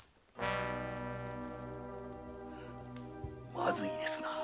まずいですな。